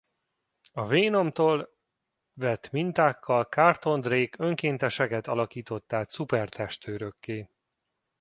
A Venomtól vett mintákkal Carlton Drake önkénteseket alakított át szuper-testőrökké.